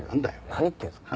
何言ってるんですか。